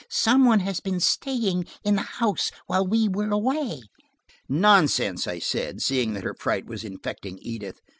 "Somebody has been staying in the house while we were away." "Nonsense," I said, seeing that her fright was infecting Edith.